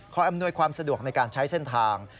อำนวยความสะดวกในการใช้เส้นทาง